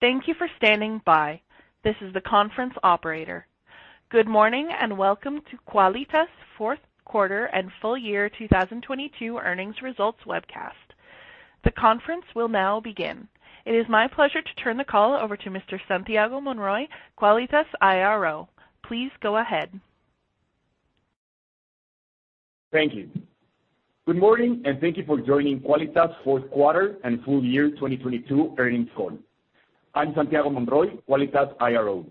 Thank you for standing by. This is the conference operator. Good morning, and welcome to Quálitas' fourth quarter and full year 2022 earnings results webcast. The conference will now begin. It is my pleasure to turn the call over to Mr. Santiago Monroy, Quálitas' IRO. Please go ahead. Thank you. Good morning, thank you for joining Quálitas' fourth quarter and full year 2022 earnings call. I'm Santiago Monroy, Quálitas IRO.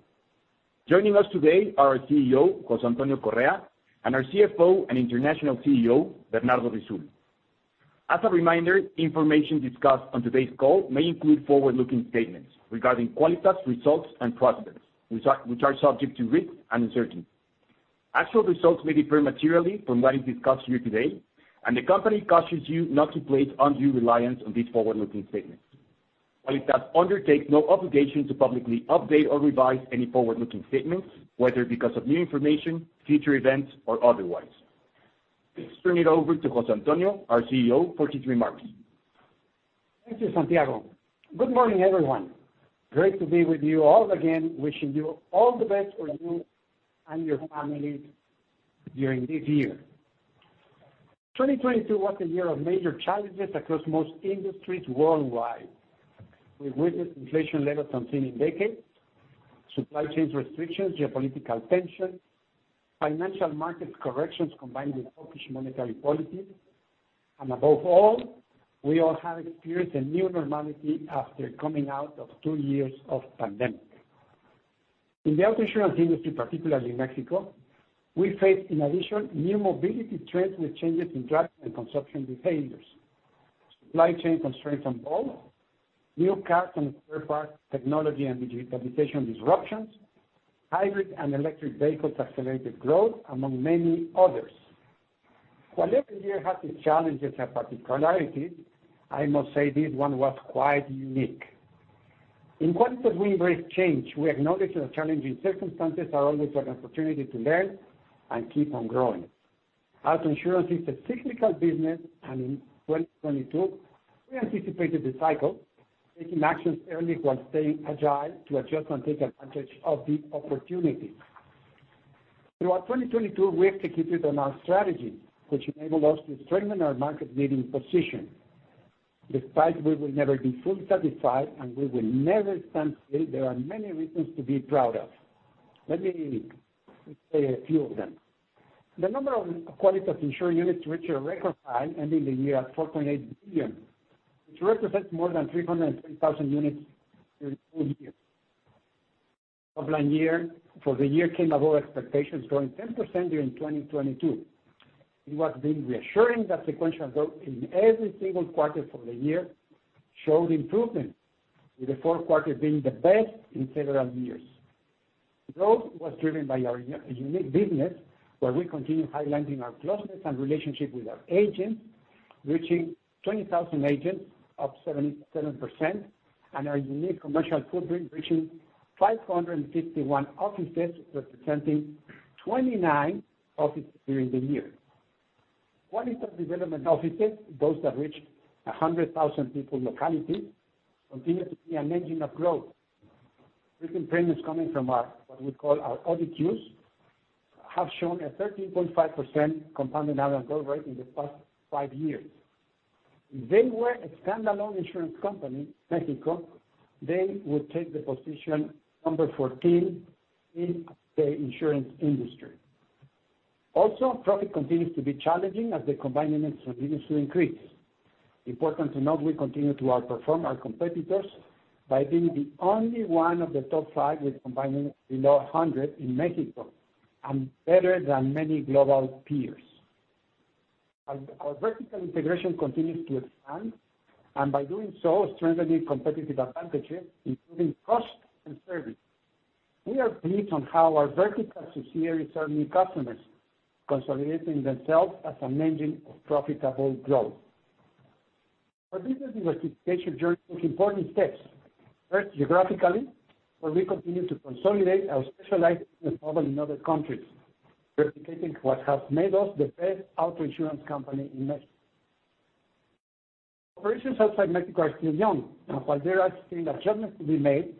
Joining us today are our CEO, José Antonio Correa, and our CFO and International CEO, Bernardo Risoul. As a reminder, information discussed on today's call may include forward-looking statements regarding Quálitas results and prospects, which are subject to risk and uncertainty. Actual results may differ materially from what is discussed here today, the company cautions you not to place undue reliance on these forward-looking statements. Quálitas undertakes no obligation to publicly update or revise any forward-looking statements, whether because of new information, future events, or otherwise. Let's turn it over to José Antonio, our CEO, for his remarks. Thank you, Santiago. Good morning, everyone. Great to be with you all again, wishing you all the best for you and your families during this year. 2022 was a year of major challenges across most industries worldwide. We witnessed inflation levels unseen in decades, supply chains restrictions, geopolitical tension, financial markets corrections combined with hawkish monetary policies. Above all, we all have experienced a new normality after coming out of two years of pandemic. In the auto insurance industry, particularly in Mexico, we face, in addition, new mobility trends with changes in driving and consumption behaviors, supply chain constraints on both, new cars and spare parts technology and digitization disruptions, hybrid and electric vehicles' accelerated growth, among many others. Every year has its challenges and particularities, I must say this one was quite unique. In Quálitas, we embrace change. We acknowledge that challenging circumstances are always an opportunity to learn and keep on growing. Auto insurance is a cyclical business. In 2022, we anticipated the cycle, taking actions early while staying agile to adjust and take advantage of the opportunities. Throughout 2022, we executed on our strategy, which enabled us to strengthen our market-leading position. Despite we will never be fully satisfied, and we will never stand still, there are many reasons to be proud of. Let me say a few of them. The number of Quálitas insured units reached a record high, ending the year at 4.8 billion, which represents more than 303,000 units during the full year. Top-line for the year came above expectations, growing 10% during 2022. It was been reassuring that sequential growth in every single quarter for the year showed improvement, with the fourth quarter being the best in several years. Growth was driven by our unique business, where we continue highlighting our closeness and relationship with our agents, reaching 20,000 agents, up 77%, and our unique commercial footprint reaching 551 offices, representing 29 offices during the year. Quálitas Development Offices, those that reach 100,000 people localities, continue to be an engine of growth. Written premiums coming from our, what we call our ODQs, have shown a 13.5% compound annual growth rate in the past five years. If they were a standalone insurance company in Mexico, they would take the position number 14 in the insurance industry. Also, profit continues to be challenging as the combined ratio continues to increase. Important to note, we continue to outperform our competitors by being the only one of the top five with combining below 100 in Mexico and better than many global peers. Our vertical integration continues to expand, and by doing so, strengthening competitive advantages, including cost and service. We are pleased on how our verticals this year is serving customers, consolidating themselves as an engine of profitable growth. Our digital diversification journey took important steps. 1st, geographically, where we continue to consolidate our specialized model in other countries, replicating what has made us the best auto insurance company in Mexico. Operations outside Mexico are still young, and while there are still adjustments to be made,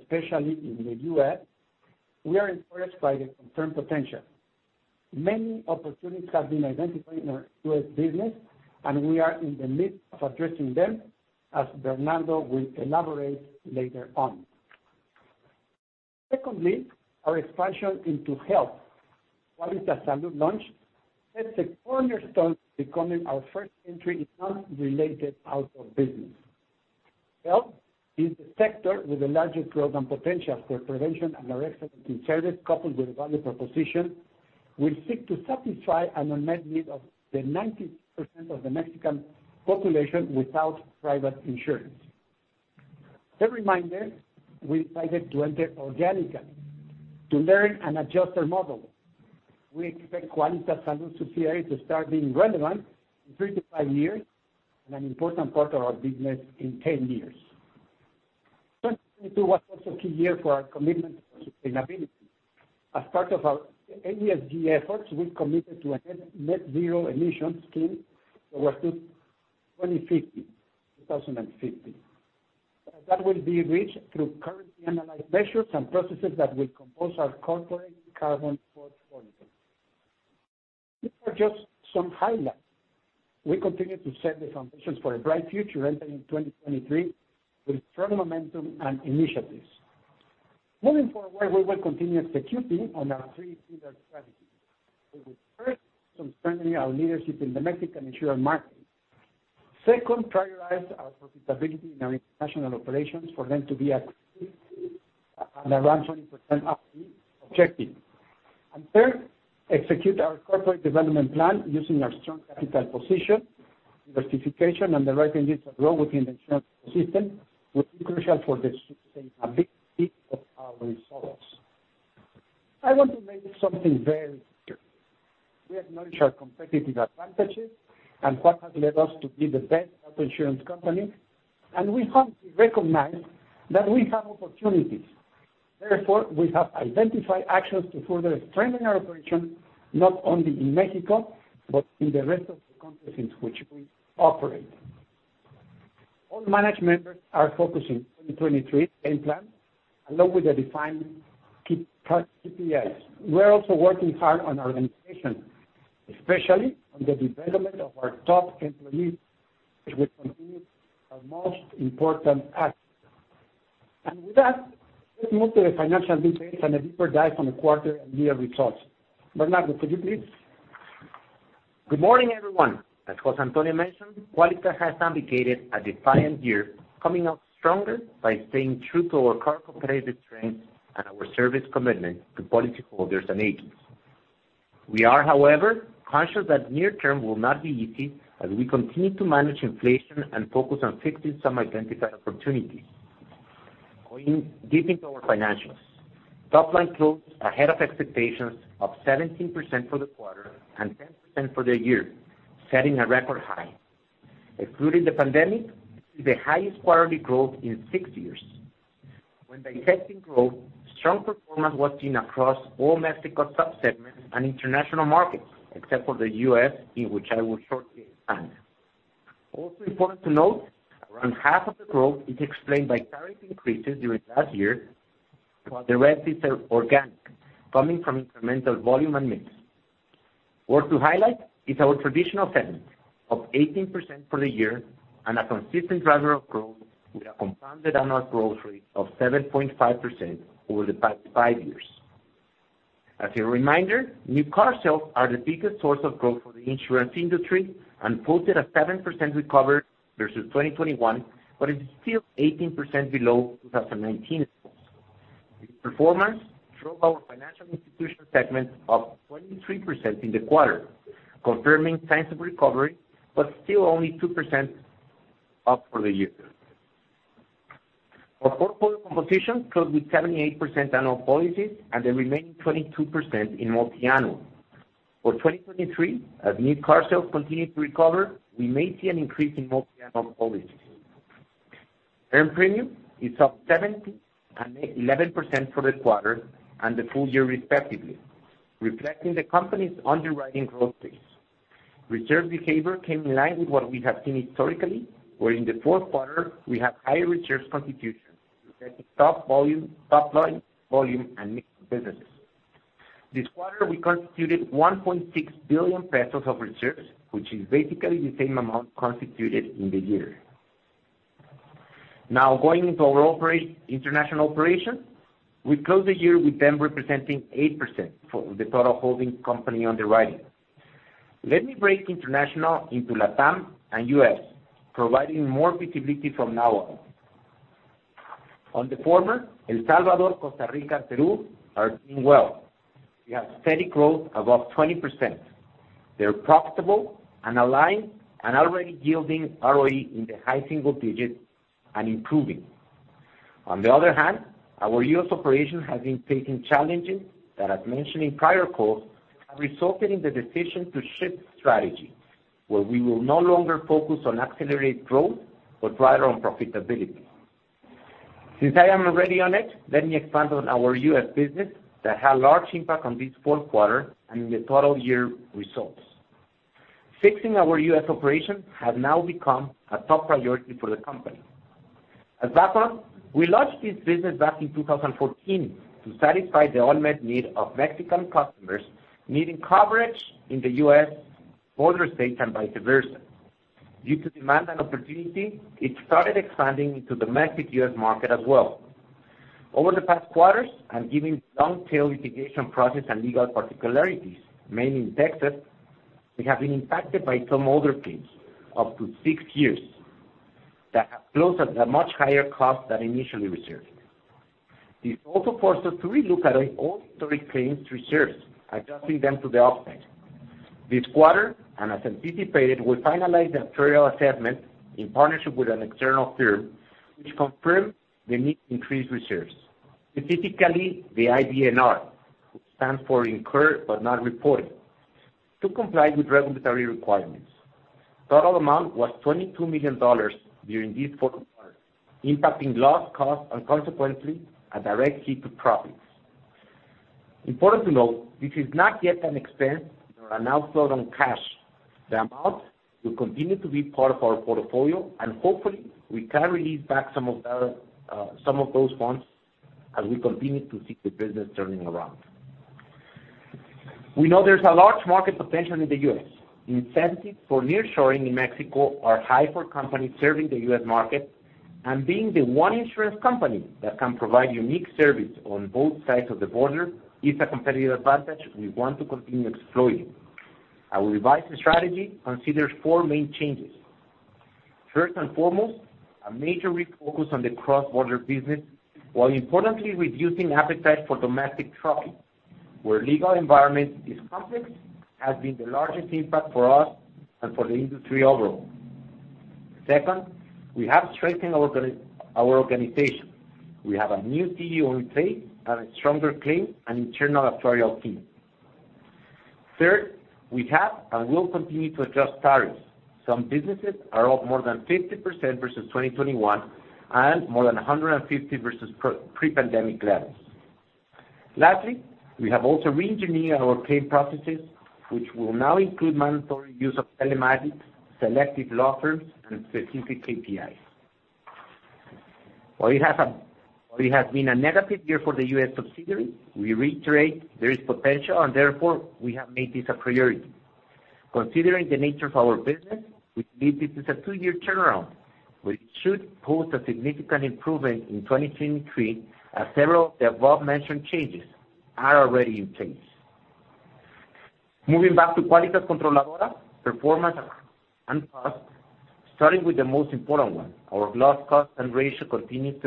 especially in the U.S., we are encouraged by the confirmed potential. Many opportunities have been identified in our U.S. business, we are in the midst of addressing them, as Bernardo will elaborate later on. Our expansion into health. Quálitas Salud launch sets a cornerstone becoming our first entry in non-related auto business. Health is the sector with the largest growth and potential for prevention, our excellence in service, coupled with the value proposition, will seek to satisfy an unmet need of the 90% of the Mexican population without private insurance. A reminder, we decided to enter organically to learn and adjust our model. We expect Quálitas Salud to start being relevant in three to five years and an important part of our business in 10 years. 2022 was also key year for our commitment to sustainability. As part of our ESG efforts, we've committed to a net zero emissions scheme over to 2050. 2050. That will be reached through currently analyzed measures and processes that will compose our corporate carbon portfolio. These are just some highlights. We continue to set the foundations for a bright future ending in 2023 with strong momentum and initiatives. Moving forward, we will continue executing on our three-pillar strategy. We will first continue strengthening our leadership in the Mexican insurance market. 2nd, prioritize our profitability in our international operations for them to be at and around 20% objective. 3rd, execute our corporate development plan using our strong capital position, diversification, and the right digital growth within the insurance ecosystem will be crucial for the success and big piece of our results. I want to make something very clear. We acknowledge our competitive advantages and what has led us to be the best auto insurance company, and we humbly recognize that we have opportunities. Therefore, we have identified actions to further strengthen our operation, not only in Mexico, but in the rest of the countries in which we operate. All management are focusing 2023 game plan, along with the defined key KPIs. We're also working hard on our organization, especially on the development of our top employees, which will continue our most important asset. With that, let's move to the financial details and a deeper dive on the quarter and year results. Bernardo, could you please? Good morning, everyone. As José Antonio mentioned, Quálitas has navigated a defiant year, coming out stronger by staying true to our core competitive strengths and our service commitment to policyholders and agents. We are, however, conscious that near term will not be easy as we continue to manage inflation and focus on fixing some identified opportunities. Going deep into our financials. Top line growth ahead of expectations of 17% for the quarter and 10% for the year, setting a record high. Excluding the pandemic, the highest quarterly growth in six years. When digesting growth, strong performance was seen across all Mexico sub-segments and international markets, except for the U.S., in which I will shortly expand. Important to note, around half of the growth is explained by tariff increases during last year, while the rest is organic, coming from incremental volume and mix. Worth to highlight is our traditional segment of 18% for the year and a consistent driver of growth with a compounded annual growth rate of 7.5% over the past five years. As a reminder, new car sales are the biggest source of growth for the insurance industry and posted a 7% recovery versus 2021, but it is still 18% below 2019. The performance drove our financial institution segment up 23% in the quarter, confirming signs of recovery, but still only 2% up for the year. Our portfolio composition closed with 78% annual policies and the remaining 22% in multi-annual. For 2023, as new car sales continue to recover, we may see an increase in multi-annual policies. Earned premium is up 17% and 11% for the quarter and the full year respectively, reflecting the company's underwriting growth rates. Reserve behavior came in line with what we have seen historically, where in the fourth quarter, we have higher reserves constitution to set the top volume, top line, volume, and mix of business. This quarter, we constituted 1.6 billion pesos of reserves, which is basically the same amount constituted in the year. Going into our international operation, we closed the year with them representing 8% for the total holding company underwriting. Let me break international into Latam and U.S., providing more visibility from now on. On the former, El Salvador, Costa Rica, Peru are doing well. We have steady growth above 20%. They're profitable and aligned and already yielding ROE in the high single digits and improving. On the other hand, our U.S. operation has been facing challenges that, as mentioned in prior calls, have resulted in the decision to shift strategy, where we will no longer focus on accelerated growth, but rather on profitability. Since I am already on it, let me expand on our U.S. business that had large impact on this fourth quarter and in the total year results. Fixing our U.S. operations has now become a top priority for the company. As background, we launched this business back in 2014 to satisfy the unmet need of Mexican customers needing coverage in the U.S. border states and vice versa. Due to demand and opportunity, it started expanding into the Mexico market as well. Over the past quarters, given long-tail litigation process and legal particularities, mainly in Texas, we have been impacted by some older claims up to six years that have closed at a much higher cost than initially reserved. This also forced us to relook at all historic claims reserves, adjusting them to the upside. This quarter, as anticipated, we finalized the actuarial assessment in partnership with an external firm, which confirmed the need to increase reserves. Specifically, the IBNR, which stands for Incurred But Not Reported. To comply with regulatory requirements. Total amount was $22 million during these four quarters, impacting loss cost and consequently, a direct hit to profits. Important to note, this is not yet an expense or an outflow on cash. The amount will continue to be part of our portfolio. Hopefully we can release back some of the some of those funds as we continue to see the business turning around. We know there's a large market potential in the U.S. Incentives for near-shoring in Mexico are high for companies serving the U.S. market, and being the one insurance company that can provide unique service on both sides of the border is a competitive advantage we want to continue exploring. Our revised strategy considers four main changes. 1st and foremost, a major refocus on the cross-border business, while importantly reducing appetite for domestic trucking, where legal environment is complex, has been the largest impact for us and for the industry overall. 2nd, we have strengthened our organization. We have a new CEO in place and a stronger claim and internal actuarial team. 3rd, we have and will continue to adjust tariffs. Some businesses are up more than 50% versus 2021, and more than 150 versus pre-pandemic levels. We have also reengineered our claim processes, which will now include mandatory use of telematics, selective law firms, and specific KPIs. While it has been a negative year for the U.S. subsidiary, we reiterate there is potential and therefore we have made this a priority. Considering the nature of our business, we believe this is a two-year turnaround, which should post a significant improvement in 2023 as several of the above-mentioned changes are already in place. Moving back to Quálitas Controladora performance and costs, starting with the most important one, our loss cost and ratio continues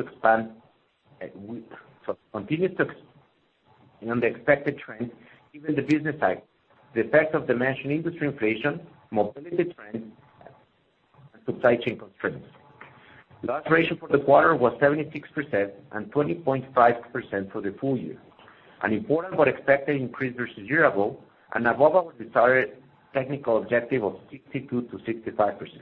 on the expected trend, given the business side, the effect of the mentioned industry inflation, mobility trends, and supply chain constraints. Loss ratio for the quarter was 76% and 20.5% for the full year. An important but expected increase versus year-over-year and above our desired technical objective of 62%-65%.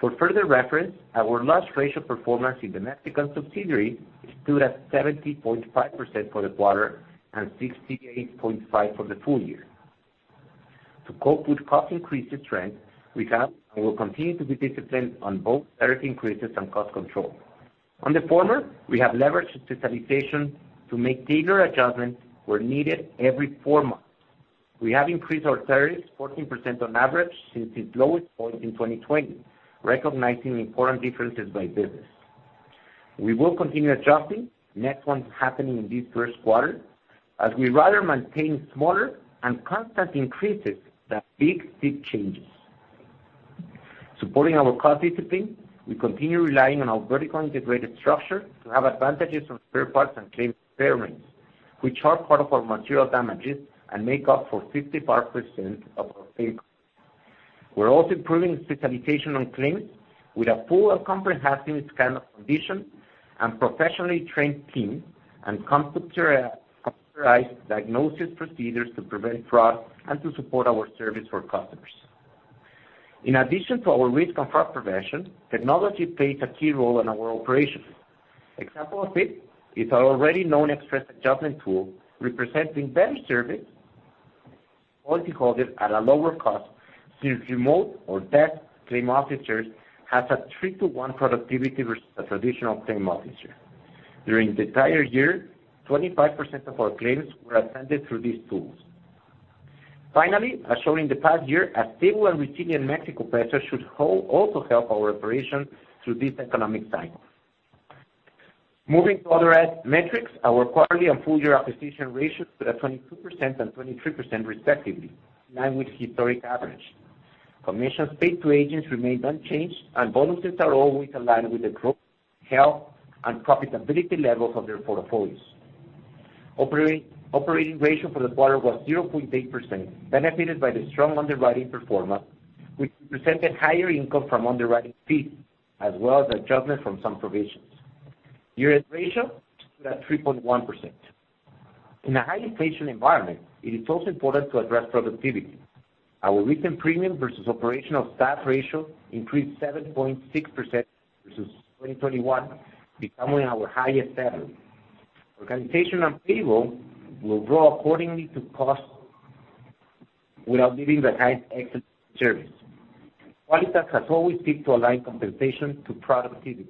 For further reference, our loss ratio performance in the Mexican subsidiary stood at 70.5% for the quarter and 68.5% for the full year. To cope with cost increases trend, we have and will continue to be disciplined on both tariff increases and cost control. On the former, we have leveraged specialization to make bigger adjustments where needed every four months. We have increased our tariffs 14% on average since its lowest point in 2020, recognizing important differences by business. We will continue adjusting, next one's happening in this first quarter, as we rather maintain smaller and constant increases than big, steep changes. Supporting our cost discipline, we continue relying on our vertically integrated structure to have advantages on spare parts and claim payments, which are part of our material damages and make up for 55% of our pay. We're also improving specialization on claims with a full and comprehensive scan of condition and professionally trained team and computerized diagnosis procedures to prevent fraud and to support our service for customers. In addition to our risk and fraud prevention, technology plays a key role in our operations. Example of it is our already known express adjustment tool, representing better service, multi-codes at a lower cost since remote or desk claim officers has a three-to-one productivity versus a traditional claim officer. During the entire year, 25% of our claims were attended through these tools. Finally, as shown in the past year, a stable and resilient Mexico peso should also help our operation through this economic cycle. Moving to other add metrics, our quarterly and full year acquisition ratios stood at 22% and 23% respectively, in line with historic average. Commissions paid to agents remained unchanged. Bonuses are always aligned with the growth, health, and profitability levels of their portfolios. Operating ratio for the quarter was 0.8%, benefited by the strong underwriting performance, which represented higher income from underwriting fees as well as adjustment from some provisions. Year-end ratio stood at 3.1%. In a high inflation environment, it is also important to address productivity. Our recent premium versus operational staff ratio increased 7.6% versus 2021, becoming our highest ever. Organization and payroll will grow accordingly to costs without leaving the high excellence service. Quálitas has always strived to align compensation to productivity.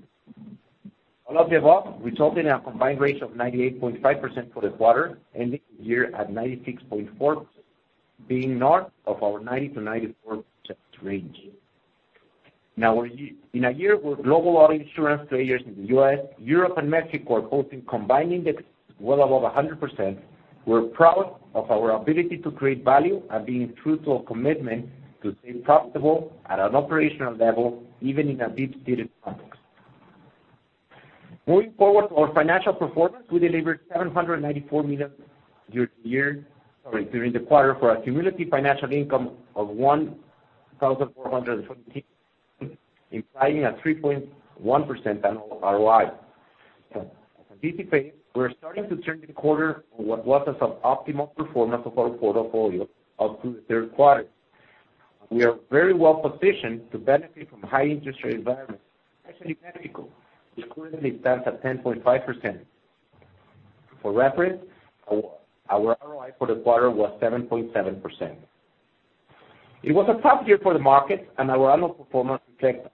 All of the above resulting in a combined ratio of 98.5% for the quarter, ending the year at 96.4%, being north of our 90%-94% range. In a year where global auto insurance players in the U.S., Europe, and Mexico are posting combining the well above 100%, we're proud of our ability to create value and being true to our commitment to stay profitable at an operational level, even in a deep seated complex. Moving forward to our financial performance, we delivered 794 million. Sorry, during the quarter for a cumulative financial income of 1,426 million, implying a 3.1% annual ROI. As anticipated, we're starting to turn the quarter on what was an suboptimal performance of our portfolio up through the third quarter. We are very well-positioned to benefit from high interest rate environments, especially in Mexico, which currently stands at 10.5%. For reference, our ROI for the quarter was 7.7%. It was a tough year for the markets, and our annual performance reflects that.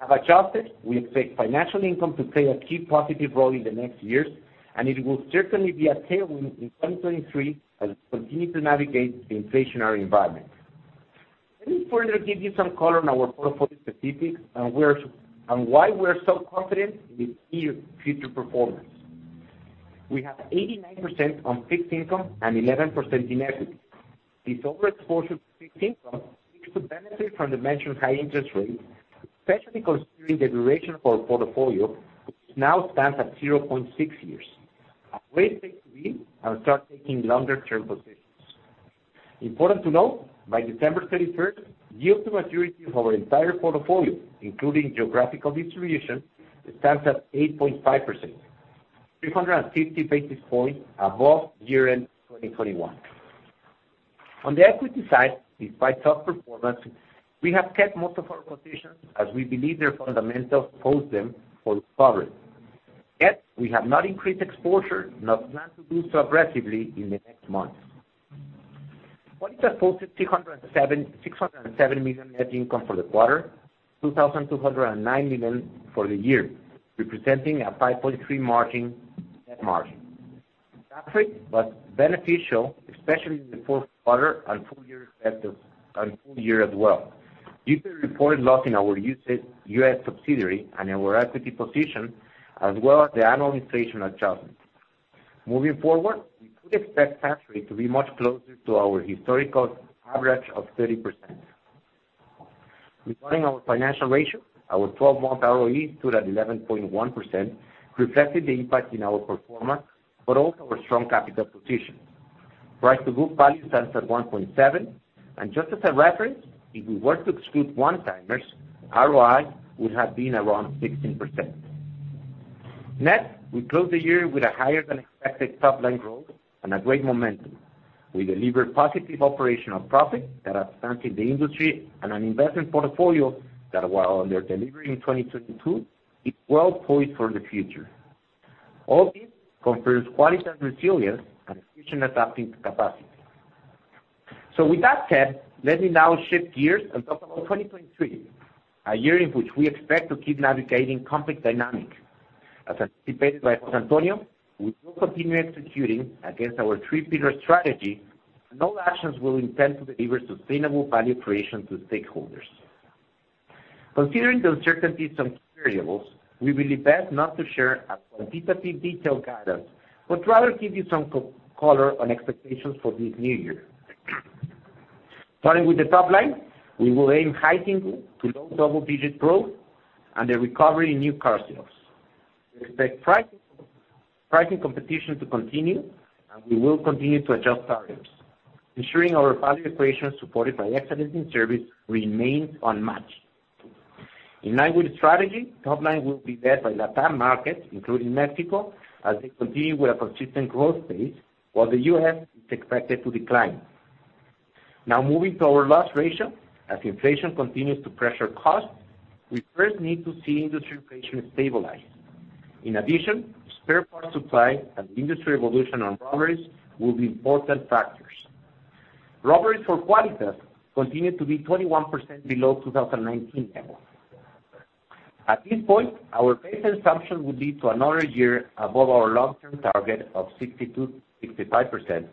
Have adjusted, we expect financial income to play a key positive role in the next years, and it will certainly be a tailwind in 2023 as we continue to navigate the inflationary environment. Let me further give you some color on our portfolio specifics and why we're so confident in the future performance. We have 89% on fixed income and 11% in equity. This overexposure to fixed income seeks to benefit from the mentioned high interest rates, especially considering the duration of our portfolio, which now stands at 0.6 years. A great place to be, we'll start taking longer-term positions. Important to note, by December 31st, yield to maturity of our entire portfolio, including geographical distribution, stands at 8.5%, 350 basis points above year-end 2021. On the equity side, despite tough performance, we have kept most of our positions as we believe their fundamentals pose them for recovery. We have not increased exposure, nor plan to do so aggressively in the next months. Quálitas posted 607 million net income for the quarter, 2,209 million for the year, representing a 5.3% net margin. Tax rate was beneficial, especially in the fourth quarter and full year as well, due to the reported loss in our U.S. subsidiary and our equity position, as well as the annual inflation adjustment. Moving forward, we could expect tax rate to be much closer to our historical average of 30%. Regarding our financial ratio, our 12-month ROE stood at 11.1%, reflecting the impact in our performance, but also our strong capital position. Price to book value stands at 1.7. Just as a reference, if we were to exclude one-timers, ROI would have been around 16%. We close the year with a higher-than-expected top-line growth and a great momentum. We delivered positive operational profit that outstands in the industry and an investment portfolio that while under delivery in 2022, is well poised for the future. All this confirms Quálitas' resilience and efficient adapting capacity. With that said, let me now shift gears and talk about 2023, a year in which we expect to keep navigating complex dynamics. As anticipated by José Antonio, we will continue executing against our three-pillar strategy, and all actions will intend to deliver sustainable value creation to stakeholders. Considering the uncertainties and variables, we believe best not to share a quantitative detailed guidance, but rather give you some color on expectations for this new year. Starting with the top line, we will aim high single to low double-digit growth and a recovery in new car sales. We expect pricing competition to continue, we will continue to adjust tariffs, ensuring our value equation supported by excellence in service remains unmatched. In line with strategy, top line will be led by LatAm markets, including Mexico, as they continue with a consistent growth pace, while the U.S. is expected to decline. Moving to our loss ratio, as inflation continues to pressure costs, we first need to see industry inflation stabilize. Spare part supply and industry evolution on robberies will be important factors. Robberies for Quálitas continue to be 21% below 2019 levels. At this point, our base assumption would lead to another year above our long-term target of 62%-65%,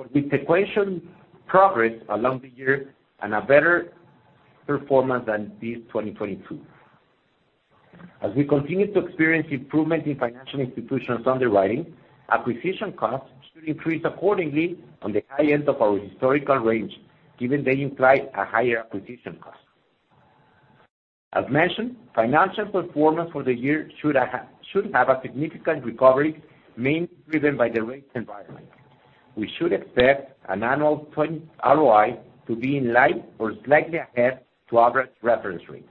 with this equation progress along the year and a better performance than this 2022. As we continue to experience improvement in financial institutions' underwriting, acquisition costs should increase accordingly on the high end of our historical range, given they imply a higher acquisition cost. As mentioned, financial performance for the year should have a significant recovery, mainly driven by the rate environment. We should expect an annual 20 ROI to be in line or slightly ahead to average reference rates.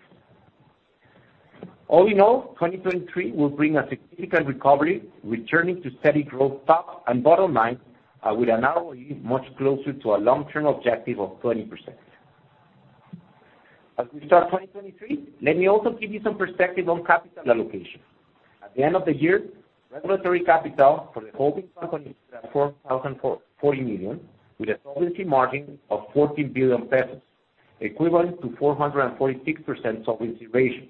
All in all, 2023 will bring a significant recovery, returning to steady growth top and bottom line, with an ROE much closer to our long-term objective of 20%. As we start 2023, let me also give you some perspective on capital allocation. At the end of the year, regulatory capital for the holding company stood at 4,040 million, with a solvency margin of 14 billion pesos, equivalent to 446% solvency ratio.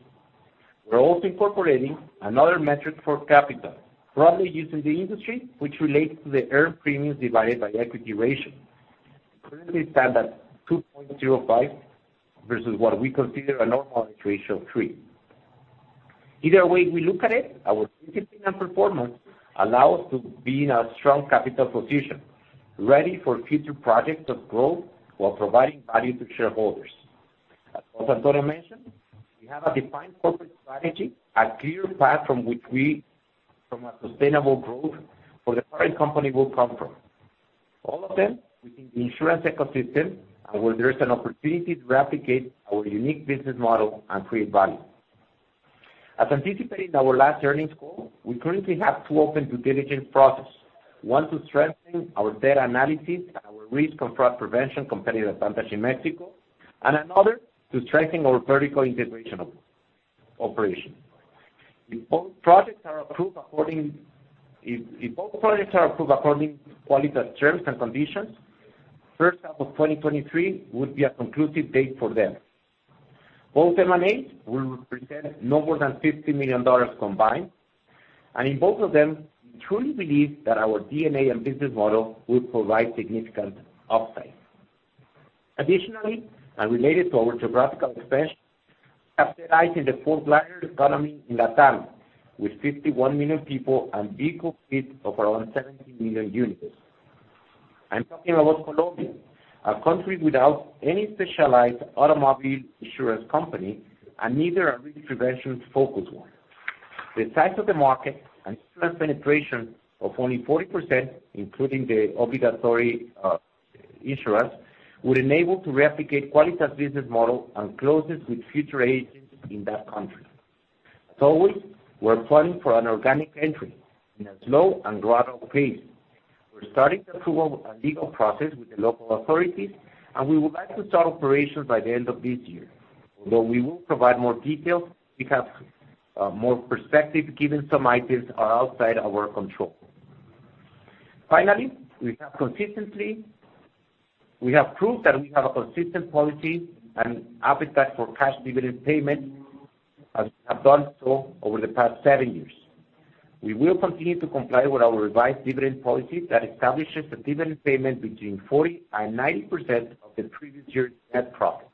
We're also incorporating another metric for capital, broadly used in the industry, which relates to the earned premiums divided by equity ratio. Currently, it stands at 2.05 versus what we consider a normal ratio of 3. Either way we look at it, our discipline and performance allow us to be in a strong capital position, ready for future projects of growth while providing value to shareholders. As José Antonio Correa mentioned, we have a defined corporate strategy, a clear path from which we, from a sustainable growth where the current company will come from. All of them within the insurance ecosystem and where there is an opportunity to replicate our unique business model and create value. As anticipated in our last earnings call, we currently have two open due diligence process. One to strengthen our data analysis and our risk and fraud prevention competitive advantage in Mexico, and another to strengthen our vertical integration of operation. If both projects are approved according to Quálitas terms and conditions, first half of 2023 would be a conclusive date for them. Both M&As will represent no more than $50 million combined, and in both of them, we truly believe that our DNA and business model will provide significant upside. Additionally, and related to our geographical expansion, have their eyes on the fourth largest economy in Latin, with 51 million people and vehicle fleet of around 70 million units. I'm talking about Colombia, a country without any specialized automobile insurance company and neither a risk prevention-focused one. The size of the market and insurance penetration of only 40%, including the obligatory insurance, would enable to replicate Quálitas business model and closes with future agents in that country. As always, we're planning for an organic entry in a slow and gradual pace. We're starting the approval and legal process with the local authorities, and we would like to start operations by the end of this year. Although we will provide more details, we have more perspective given some items are outside our control. Finally, we have consistently, we have proved that we have a consistent policy and appetite for cash dividend payment, as we have done so over the past seven years. We will continue to comply with our revised dividend policy that establishes a dividend payment between 40% and 90% of the previous year's net profit.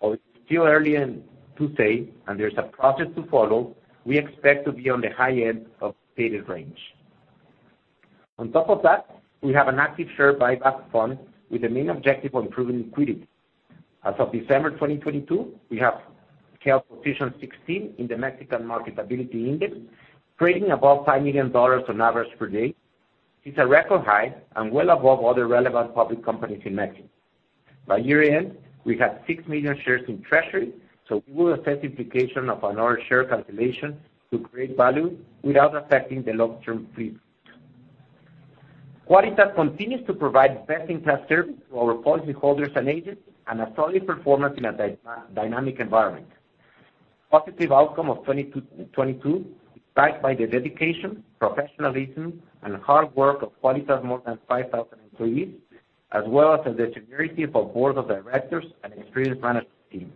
Although it's still early and to say, and there's a process to follow, we expect to be on the high end of stated range. On top of that, we have an active share buyback fund with the main objective on improving liquidity. As of December 2022, we have kept position 16 in the Mexican marketability index, trading above $5 million on average per day. It's a record high and well above other relevant public companies in Mexico. By year-end, we have 6 million shares in treasury, so we will assess the application of another share cancellation to create value without affecting the long-term fleet. Quálitas continues to provide best-in-class service to our policyholders and agents and a solid performance in a dynamic environment. Positive outcome of 22 is backed by the dedication, professionalism, and hard work of Quálitas' more than 5,000 employees, as well as the seniority of our board of directors and experienced management team.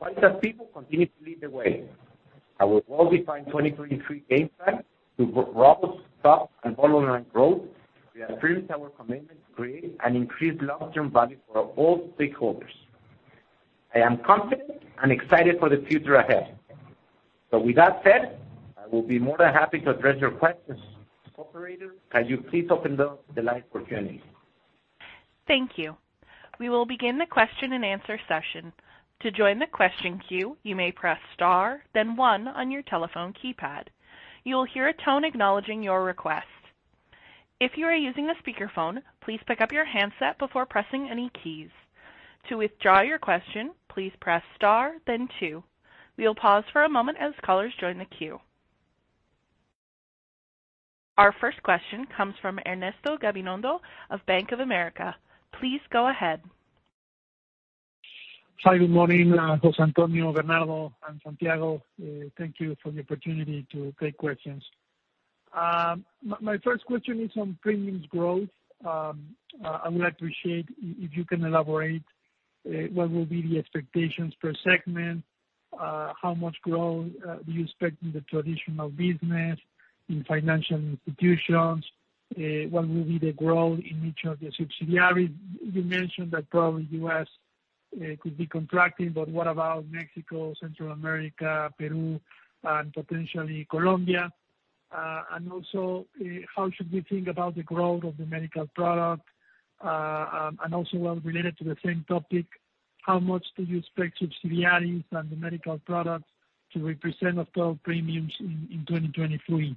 Quálitas people continue to lead the way. Our well-defined 2023 game plan to robust top and bottom-line growth reaffirms our commitment to create and increase long-term value for all stakeholders. I am confident and excited for the future ahead. With that said, I will be more than happy to address your questions. Operator, can you please open the line for Q&A? Thank you. We will begin the question-and-answer session. To join the question queue, you may press star then one on your telephone keypad. You will hear a tone acknowledging your request. If you are using a speakerphone, please pick up your handset before pressing any keys. To withdraw your question, please press star then two. We will pause for a moment as callers join the queue. Our first question comes from Ernesto Gabilondo of Bank of America. Please go ahead. Hi, good morning, José Antonio, Bernardo, and Santiago. Thank you for the opportunity to take questions. My first question is on premiums growth. I would appreciate if you can elaborate what will be the expectations per segment, how much growth do you expect in the traditional business, in financial institutions? What will be the growth in each of the subsidiaries? You mentioned that probably U.S. could be contracting, but what about Mexico, Central America, Peru, and potentially Colombia? Also, how should we think about the growth of the medical product? Well related to the same topic, how much do you expect subsidiaries and the medical products to represent of total premiums in 2023?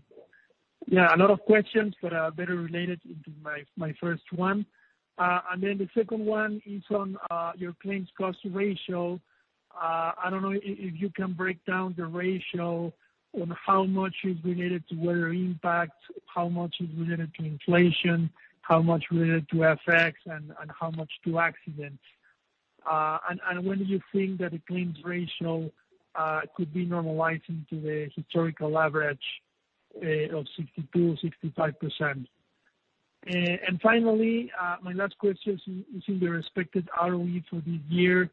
A lot of questions, better related into my first one. The second one is on your claims cost ratio. I don't know if you can break down the ratio on how much is related to weather impact, how much is related to inflation, how much related to FX, and how much to accidents? When do you think that the claims ratio could be normalizing to the historical average of 62%-65%? My last question is in the respected ROE for this year,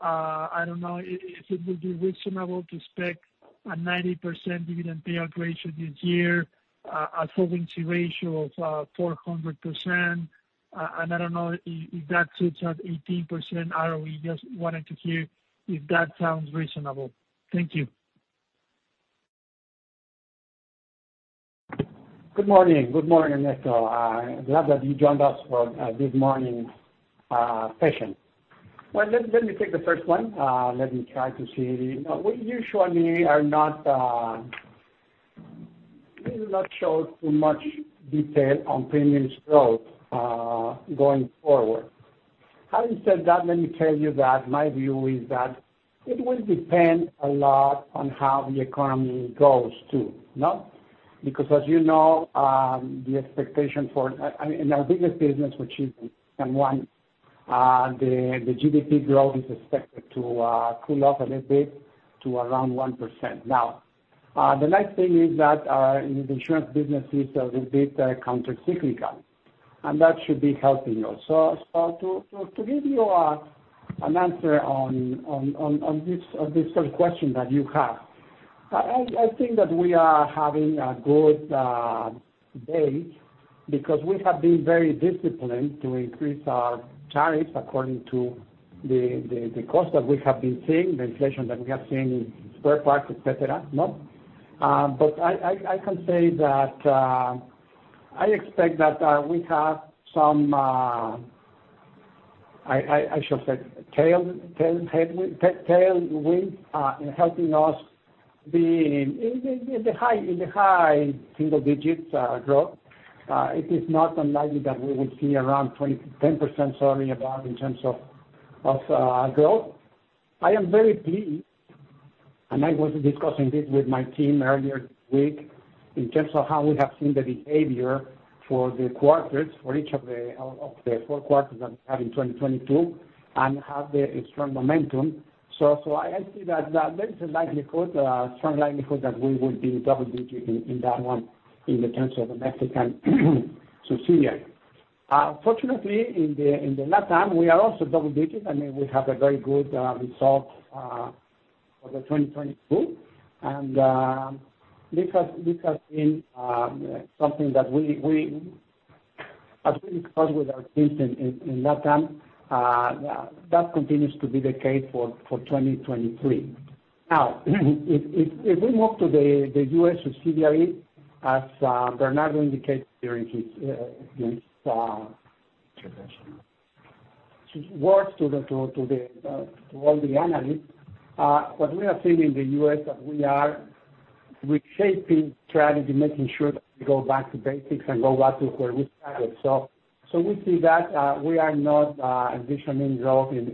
I don't know if it would be reasonable to expect a 90% dividend payout ratio this year, a solvency ratio of 400%. I don't know if that sits at 18% ROE. Just wanted to hear if that sounds reasonable? Thank you. Good morning. Good morning, Ernesto. Glad that you joined us for this morning's session. Well, let me take the first one. Let me try to see. No, we usually are not, we do not show too much detail on premium growth going forward. Having said that, let me tell you that my view is that it will depend a lot on how the economy goes too, you know? Because as you know, the expectation for... in our biggest business, which is in one, the GDP growth is expected to cool off a little bit to around 1%. Now, the next thing is that in the insurance businesses are a bit countercyclical, and that should be helping us. To give you an answer on this sort of question that you have, I think that we are having a good day because we have been very disciplined to increase our tariffs according to the cost that we have been seeing, the inflation that we have seen in spare parts, et cetera. No? I can say that I expect that we have some I should say tail, headwind, tailwind in helping us be in the high single digits growth. It is not unlikely that we will see around 10%, sorry, about in terms of growth. I am very pleased, I was discussing this with my team earlier this week, in terms of how we have seen the behavior for the quarters, for each of the out of the four quarters that we had in 2022, and have the strong momentum. I see that there is a likelihood, a strong likelihood that we will be double digits in that one in the terms of the Mexican subsidiary. Fortunately, in the LatAm, we are also double digits. I mean, we have a very good result for 2022. This has been something that we, as we discussed with our teams in LatAm, that continues to be the case for 2023. Now, if we move to the U.S. subsidiary, as Bernardo indicated during his words to the analysts, what we have seen in the U.S. is that we are reshaping strategy, making sure that we go back to basics and go back to where we started. We see that we are not envisioning growth in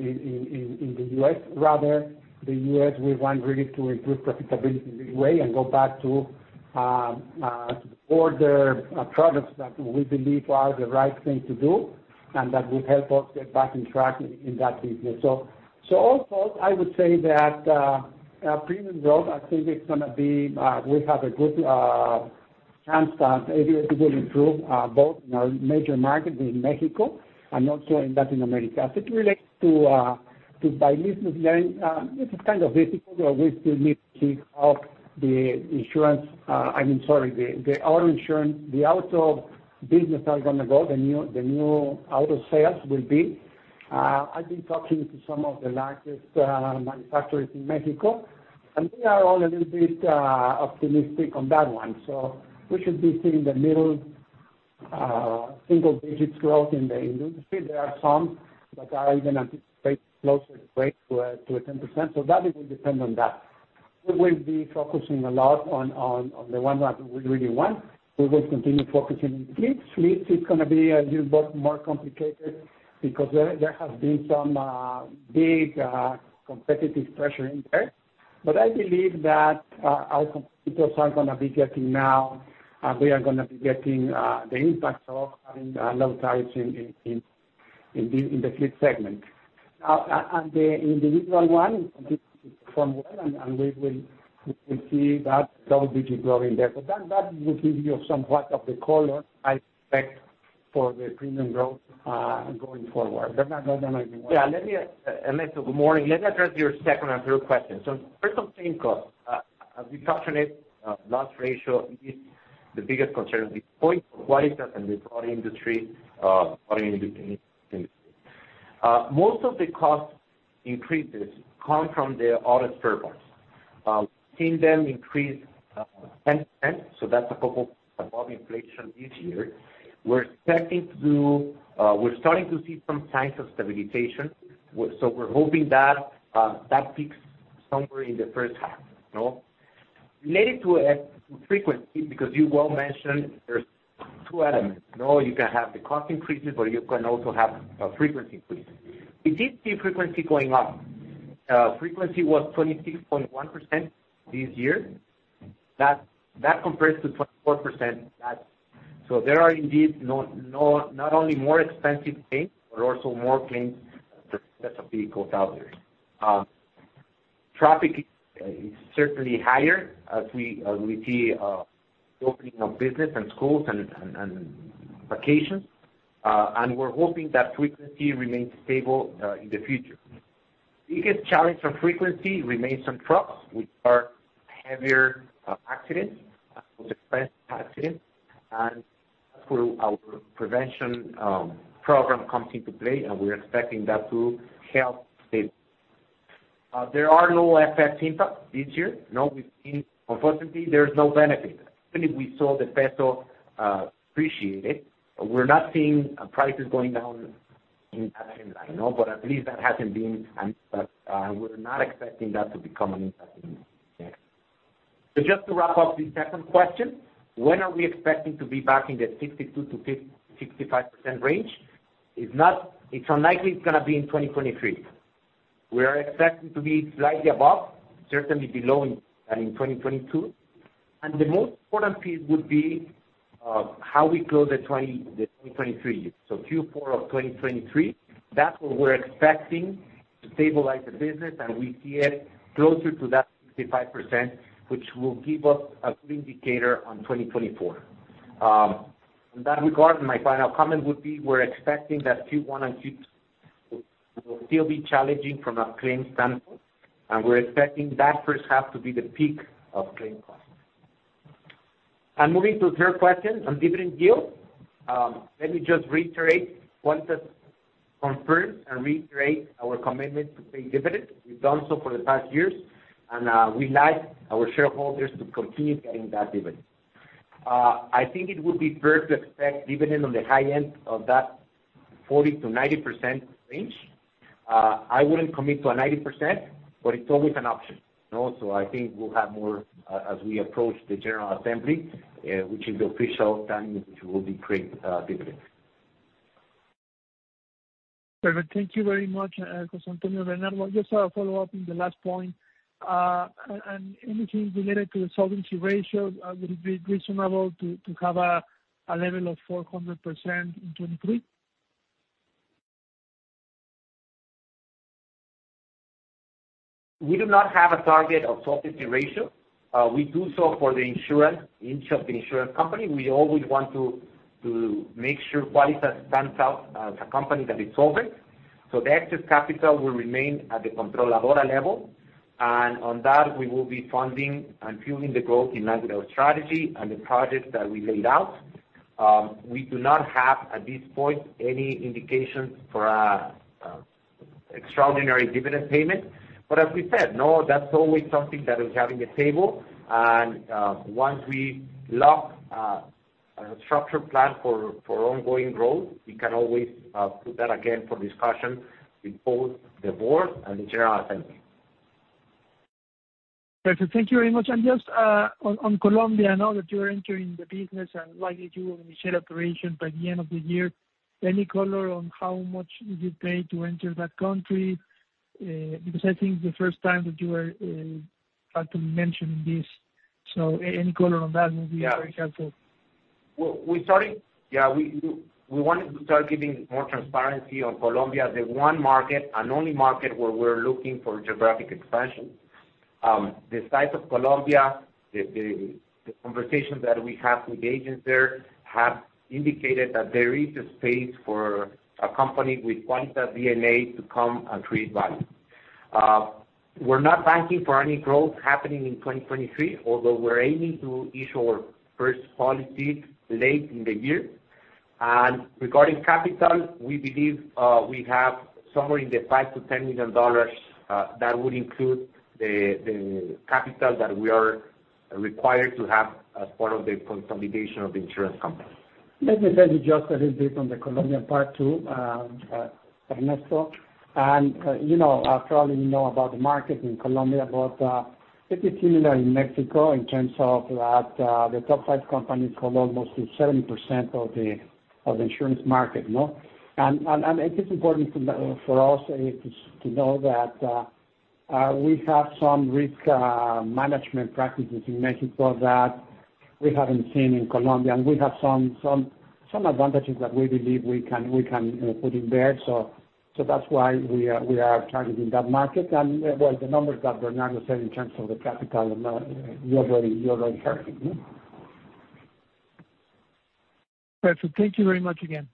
the U.S. Rather, the U.S. we want really to improve profitability big way and go back to the core products that we believe are the right thing to do and that will help us get back on track in that region. Overall, I would say that our premium growth, I think it's gonna be, we have a good chance that ABA could improve both in our major markets in Mexico and also in Latin America. As it relates to by business line, it is kind of difficult, but we still need to see how the insurance, I mean, sorry, the auto insurance, the auto business are gonna go, the new auto sales will be. I've been talking to some of the largest manufacturers in Mexico, and they are all a little bit optimistic on that one. We should be seeing the middle single digits growth in the industry. There are some that are even anticipate closer to 8% to 10%. That, it will depend on that. We will be focusing a lot on the one that we really want. We will continue focusing on the fleet. Fleet is gonna be a little bit more complicated because there has been some big competitive pressure in there. I believe that our competitors are gonna be getting now, we are gonna be getting the impact of having low rates in the fleet segment. Now, and the individual one, this will perform well, and we will see that double-digit growth in there. That will give you somewhat of the color I expect for the premium growth going forward. Bernardo, do you want to- Let me, Ernesto Gabilondo, good morning. Let me address your second and third question. First on claim costs. As we discussed today, loss ratio is the biggest concern at this point. Why is that? The auto industry. Most of the cost increases come from the auto spare parts. We've seen them increase 10%, so that's a couple above inflation this year. We're expecting to, we're starting to see some signs of stabilization. So we're hoping that peaks somewhere in the first half. Related to frequency, because you well mentioned there's two elements. You know, you can have the cost increases, but you can also have a frequency increase. We did see frequency going up. Frequency was 26.1% this year. That compares to 24% last. There are indeed no, not only more expensive claims, but also more claims for sets of vehicles out there. Traffic is certainly higher as we see the opening of business and schools and vacations. And we're hoping that frequency remains stable in the future. Biggest challenge for frequency remains some trucks, which are heavier accidents, more expensive accidents. And that's where our prevention program comes into play, and we're expecting that to help stabilize. There are no FX impact this year. No, we've seen unfortunately, there's no benefit. Even if we saw the peso appreciate it, we're not seeing prices going down in that timeline, no. At least that hasn't been. We're not expecting that to become an impact in the next. Just to wrap up the second question, when are we expecting to be back in the 62%-65% range? It's unlikely it's gonna be in 2023. We are expecting to be slightly above, certainly below in, than in 2022. The most important piece would be how we close the 2023 year. Q4 of 2023, that's where we're expecting to stabilize the business, and we see it closer to that 65%, which will give us a good indicator on 2024. In that regard, and my final comment would be, we're expecting that Q1 and Q2 will still be challenging from a claims standpoint. We're expecting that first half to be the peak of claim costs. Moving to the third question on dividend yield, let me just reiterate, want to confirm and reiterate our commitment to pay dividends. We've done so for the past years, and we'd like our shareholders to continue getting that dividend. I think it would be fair to expect dividend on the high end of that 40%-90% range. I wouldn't commit to a 90%, but it's always an option, you know. I think we'll have more as we approach the general assembly, which is the official time which we'll decree dividends. Perfect. Thank you very much, José Antonio, Bernardo. Just a follow-up in the last point. And anything related to the solvency ratio, would it be reasonable to have a level of 400% in 2023? We do not have a target of solvency ratio. We do so for the insurance, each of the insurance company. We always want to make sure Quálitas stands out as a company that is solvent. The excess capital will remain at the controladora level. On that, we will be funding and fueling the growth in line with our strategy and the projects that we laid out. We do not have, at this point, any indications for a extraordinary dividend payment. As we said, no, that's always something that we have in the table. Once we lock a structure plan for ongoing growth, we can always put that again for discussion with both the board and the general assembly. Perfect. Thank you very much. Just on Colombia, I know that you are entering the business and likely to initiate operation by the end of the year. Any color on how much did it take to enter that country? Because I think the first time that you were had to mention this. Any color on that would be very helpful. Yeah. We wanted to start giving more transparency on Colombia, the one market and only market where we're looking for geographic expansion. The size of Colombia, the conversations that we have with agents there have indicated that there is a space for a company with Quálitas DNA to come and create value. We're not banking for any growth happening in 2023, although we're aiming to issue our first policy late in the year. Regarding capital, we believe we have somewhere in the $5 million-$10 million, that would include the capital that we are required to have as part of the consolidation of the insurance company. Let me tell you just a little bit on the Colombian part, too, Ernesto. You know, after all you know about the market in Colombia, it is similar in Mexico in terms of that the top five companies hold almost 70% of the insurance market, no? It is important for us to know that we have some risk management practices in Mexico that we haven't seen in Colombia, and we have some advantages that we believe we can put in there. That's why we are targeting that market. Well, the numbers that Bernardo said in terms of the capital, you already heard it, mm-hmm. Perfect. Thank you very much again.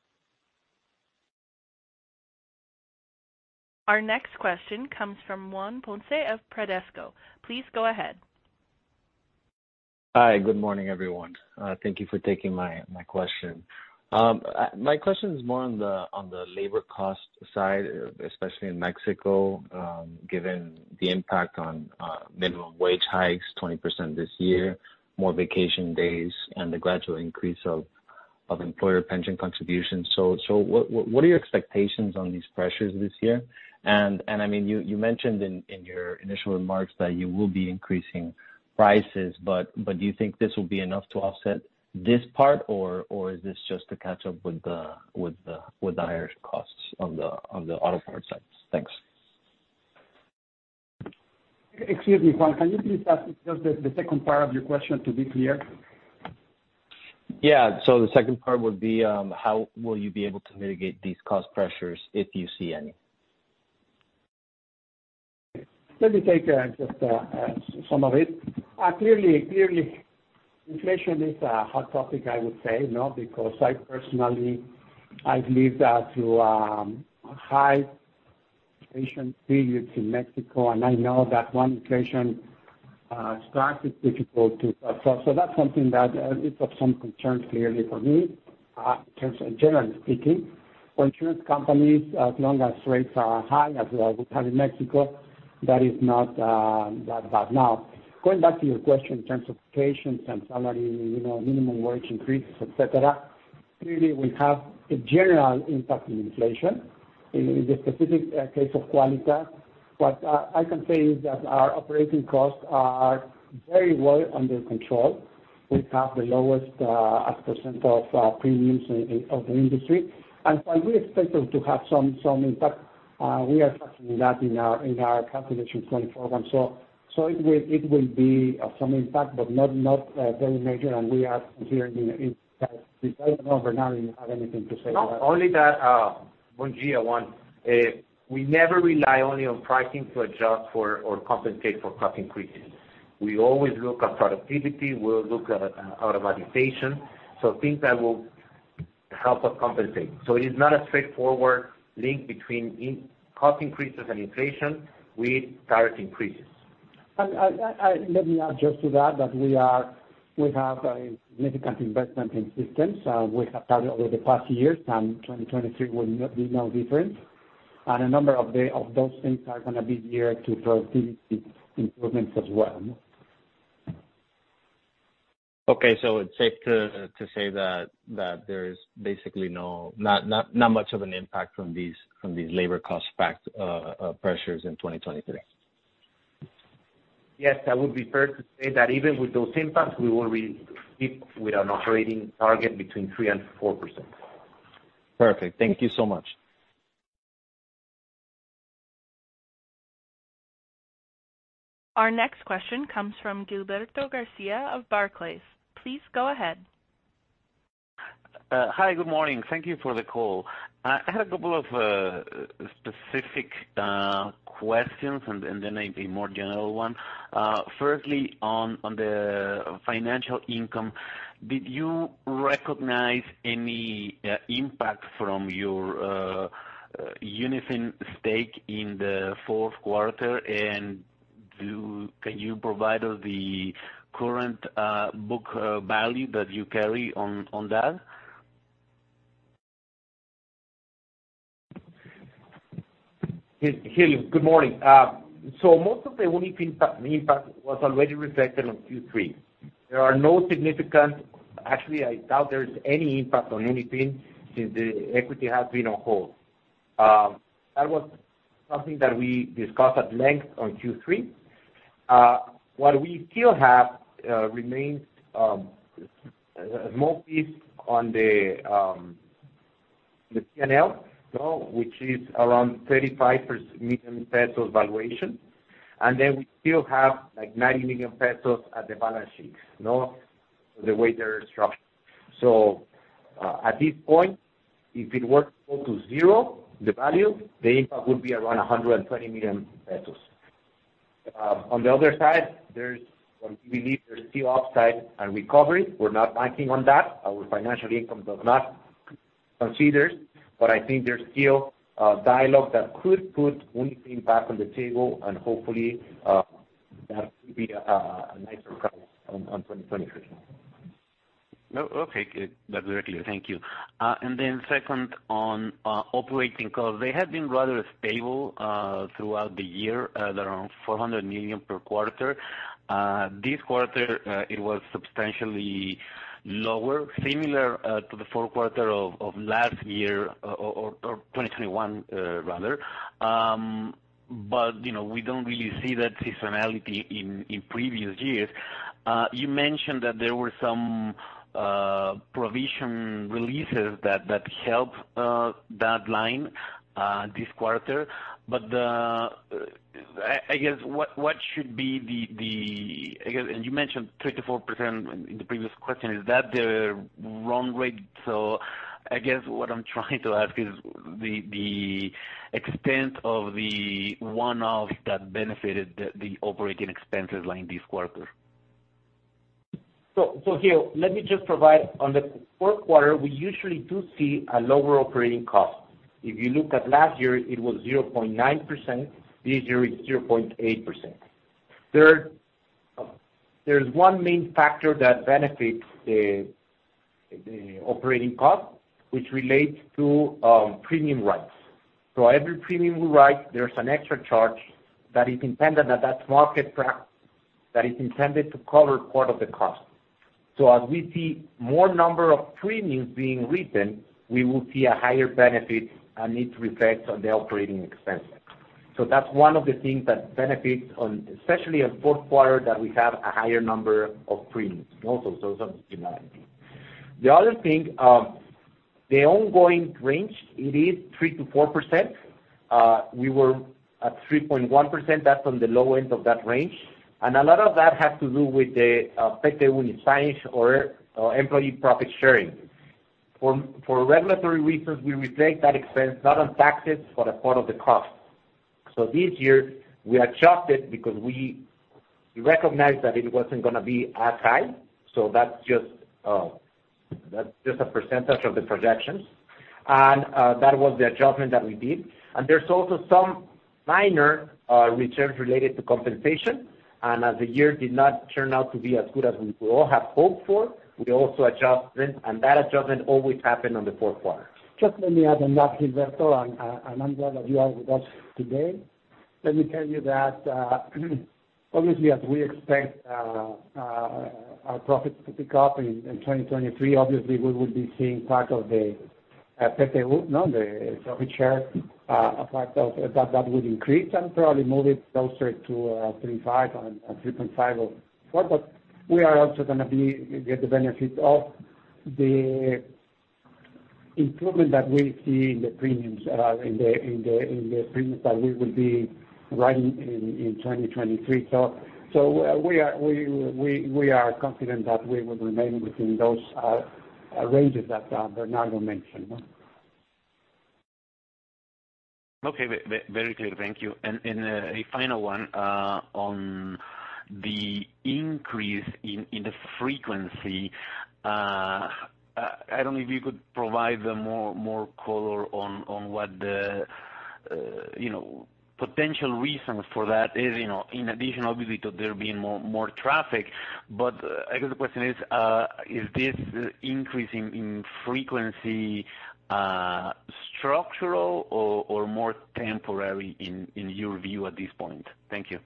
Our next question comes from Juan Ponce of Bradesco. Please go ahead. Hi. Good morning, everyone. Thank you for taking my question. My question is more on the labor cost side, especially in Mexico, given the impact on minimum wage hikes, 20% this year, more vacation days, and the gradual increase of employer pension contributions. What are your expectations on these pressures this year? I mean, you mentioned in your initial remarks that you will be increasing prices, but do you think this will be enough to offset this part, or is this just to catch up with the higher costs on the auto parts side? Thanks. Excuse me, Juan. Can you please ask just the second part of your question to be clear? Yeah. The second part would be, how will you be able to mitigate these cost pressures if you see any? Let me take just some of it. Clearly inflation is a hot topic, I would say, you know, because I personally, I've lived through high inflation periods in Mexico, and I know that one inflation strike is difficult to absorb. That's something that is of some concern clearly for me. In terms of generally speaking, for insurance companies, as long as rates are high as we have in Mexico, that is not that bad now. Going back to your question in terms of patients and salary, you know, minimum wage increases, et cetera, clearly we have a general impact on inflation. In the specific case of Quálitas, what I can say is that our operating costs are very well under control. We have the lowest as percent of premiums in of the industry. I do expect them to have some impact. We are factoring that in our calculation 24 months. It will be of some impact, but not very major. We are considering in the impact. I don't know if Bernardo, you have anything to say about that. No. Only that, on year one, we never rely only on pricing to adjust for or compensate for cost increases. We always look at productivity, we look at automatization. Things that will help us compensate. It is not a straightforward link between cost increases and inflation with tariff increases. Let me add just to that we have a significant investment in systems, we have done over the past years, and 2023 will be no different. A number of those things are gonna be geared to productivity improvements as well. Okay. It's safe to say that there is basically no. Not much of an impact from these labor cost pressures in 2023. Yes, that would be fair to say that even with those impacts, we will re-keep with an operating target between 3% and 4%. Perfect. Thank you so much. Our next question comes from Gilberto García of Barclays. Please go ahead. Hi, good morning. Thank you for the call. I had a couple of specific questions and then a more general one. Firstly, on the financial income, did you recognize any impact from your Unifin stake in the fourth quarter? Can you provide the current book value that you carry on that? Hi, Gil. Good morning. Most of the Unifin impact was already reflected on Q3. Actually, I doubt there is any impact on anything since the equity has been on hold. That was something that we discussed at length on Q3. What we still have remains mostly on the P&L, you know, which is around 35 million pesos valuation. We still have, like, 90 million pesos at the balance sheet, you know, the way they're structured. At this point, if it were to go to zero, the value, the impact would be around 120 million pesos. On the other side, we believe there's still upside and recovery. We're not banking on that. Our financial income does not consider it, but I think there's still a dialogue that could put Unifin back on the table, and hopefully, that could be a nicer price on 2023. Okay. That's very clear. Thank you. Then second on operating costs. They have been rather stable throughout the year at around 400 million per quarter. This quarter, it was substantially lower, similar to the fourth quarter of last year or 2021 rather. You know, we don't really see that seasonality in previous years. You mentioned that there were some provision releases that helped that line this quarter. I guess what should be the... I guess, and you mentioned 3%-4% in the previous question, is that the run rate? I guess what I'm trying to ask is the extent of the one-off that benefited the operating expenses line this quarter. Gil, let me just provide. On the fourth quarter, we usually do see a lower operating cost. If you look at last year, it was 0.9%. This year is 0.8%. There's one main factor that benefits the operating cost, which relates to premium writes. Every premium we write, there's an extra charge that is intended at that market practice that is intended to cover part of the cost. As we see more number of premiums being written, we will see a higher benefit, and it reflects on the operating expenses. That's one of the things that benefits on, especially on fourth quarter, that we have a higher number of premiums. Also, those are the seasonality. The other thing, the ongoing range, it is 3%-4%. We were at 3.1%. That's on the low end of that range. A lot of that has to do with the participation or employee profit sharing. For regulatory reasons, we reflect that expense not on taxes, but a part of the cost. This year, we adjusted because we recognized that it wasn't gonna be as high, that's just a percentage of the projections. That was the adjustment that we did. There's also some minor reserves related to compensation. As the year did not turn out to be as good as we all had hoped for, we also adjusted, and that adjustment always happened on the fourth quarter. Just let me add on that, Gilberto, and I'm glad that you are with us today. Let me tell you that, obviously, as we expect, our profit to pick up in 2023, obviously we will be seeing part of the, No. The share, apart of that would increase and probably move it closer to 3.5 or 3.5 or 4. We are also get the benefit of the improvement that we see in the premiums, in the premiums that we will be running in 2023. We are confident that we will remain within those, ranges that Bernardo mentioned. Okay. Very clear. Thank you. A final one, on the increase in the frequency. I don't know if you could provide more color on what the, you know, potential reasons for that is, you know, in addition, obviously, to there being more traffic. I guess the question is this increase in frequency structural or more temporary in your view at this point? Thank you.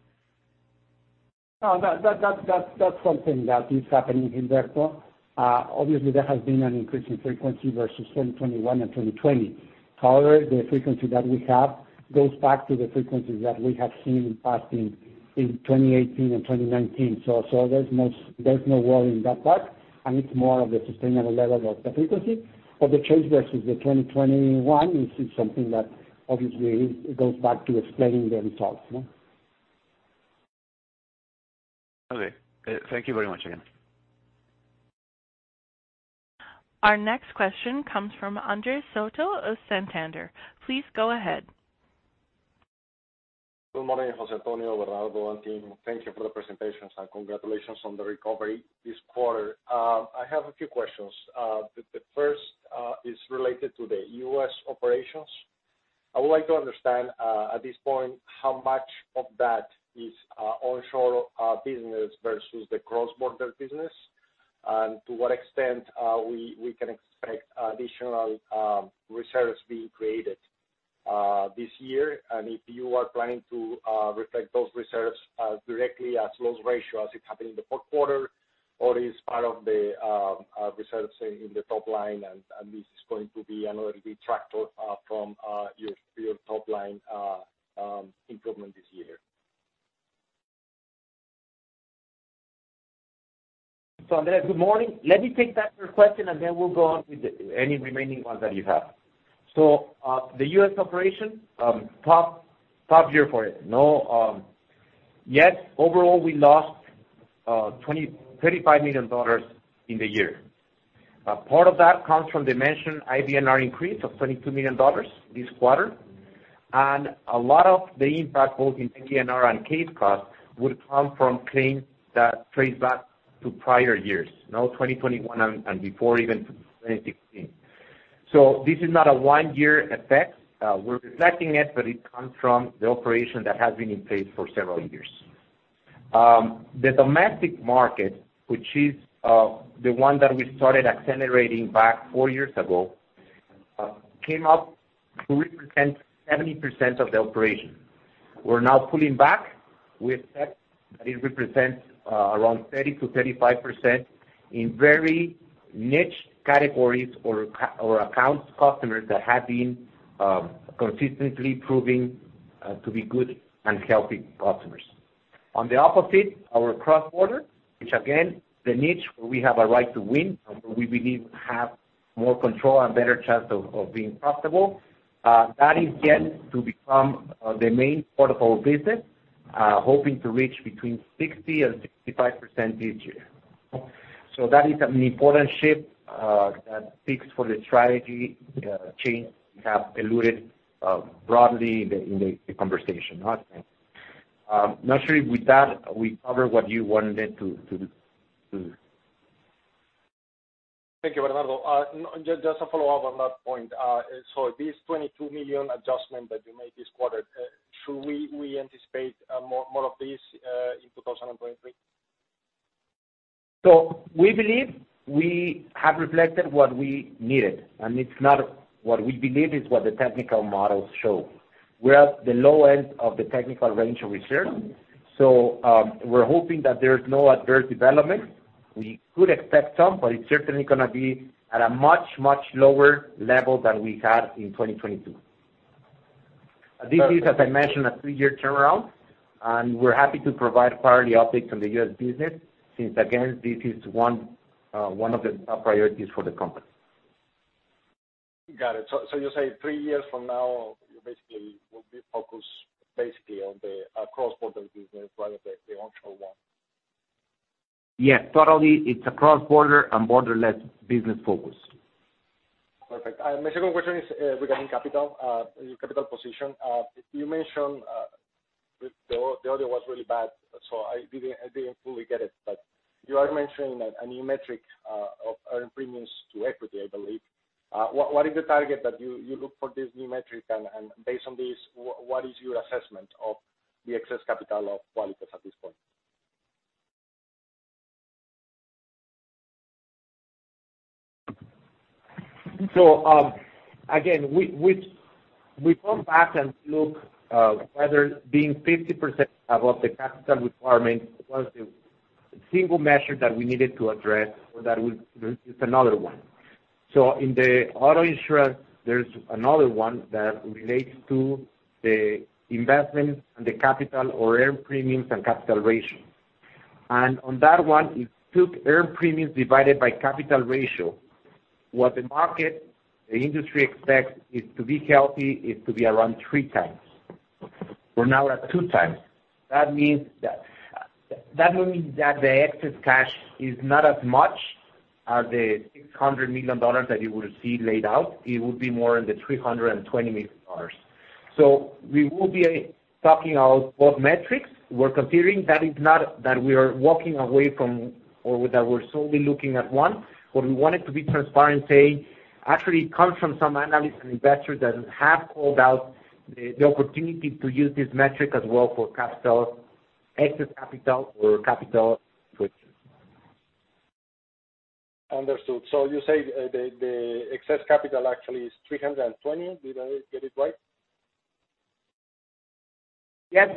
No, that's something that is happening, Gilberto. Obviously there has been an increase in frequency versus 2021 and 2020. However, the frequency that we have goes back to the frequencies that we have seen in past in 2018 and 2019. There's no worry in that part, and it's more of the sustainable level of the frequency. The change versus the 2021 is something that obviously goes back to explaining the results. Okay. Thank you very much again. Our next question comes from Andres Soto of Santander. Please go ahead. Good morning, José Antonio, Bernardo, and team. Thank you for the presentations, and congratulations on the recovery this quarter. I have a few questions. The first is related to the U.S. operations. I would like to understand at this point, how much of that is onshore business versus the cross-border business, and to what extent we can expect additional reserves being created this year? If you are planning to reflect those reserves directly as loss ratio as it happened in the fourth quarter, or is part of the reserves in the top line, and this is going to be another detractor from your top line improvement this year. Andre, good morning. Let me take that first question, and then we'll go on with any remaining ones that you have. The U.S. operation, tough year for it. Yet overall, we lost $35 million in the year. Part of that comes from the mentioned IBNR increase of $22 million this quarter. A lot of the impact, both in PNR and case cost, would come from claims that trace back to prior years. You know, 2021 and before even to 2016. This is not a one-year effect. We're reflecting it, but it comes from the operation that has been in place for several years. The domestic market, which is the one that we started accelerating back four years ago, came up to represent 70% of the operation. We're now pulling back with that. It represents around 30%-35% in very niche categories or accounts customers that have been consistently proving to be good and healthy customers. On the opposite, our cross-border, which again, the niche where we have a right to win and where we believe have more control and better chance of being profitable, that is yet to become the main part of our business, hoping to reach between 60% and 65% each year. That is an important shift that speaks for the strategy change we have alluded broadly in the conversation. Not sure if with that we covered what you wanted to... Thank you, Bernardo. Just a follow-up on that point. This $22 million adjustment that you made this quarter, should we anticipate more of this in 2023? We believe we have reflected what we needed, and it's not what we believe, it's what the technical models show. We're at the low end of the technical range of reserve. We're hoping that there's no adverse development. We could expect some, but it's certainly gonna be at a much, much lower level than we had in 2022. This is, as I mentioned, a three-year turnaround, and we're happy to provide priority updates on the U.S. business since again, this is one of the top priorities for the company. Got it. You're saying three years from now, you basically will be focused basically on the cross-border business rather than the onshore one? Yes, totally. It's a cross-border and borderless business focus. Perfect. My second question is regarding capital, your capital position. You mentioned, the other was really bad, so I didn't fully get it. You are mentioning that a new metric of earned premiums to equity, I believe. What is the target that you look for this new metric and based on this, what is your assessment of the excess capital of Quálitas at this point? Again, we come back and look whether being 50% above the capital requirement was the single measure that we needed to address or that was just another one. In the auto insurance, there's another one that relates to the investment and the capital or earned premiums and capital ratio. On that one, it took earned premiums divided by capital ratio. What the market, the industry expects is to be healthy, is to be around 3 times. We're now at 2 times. That means that the excess cash is not as much as the $600 million that you will see laid out. It would be more in the $320 million. We will be talking out both metrics. We're considering that is not that we are walking away from or that we're solely looking at one. We wanted to be transparent saying actually it comes from some analysts and investors that have called out the opportunity to use this metric as well for capital, excess capital or capital. Understood. You say the excess capital actually is 320. Did I get it right? Yes.